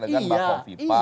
dengan pak fofipa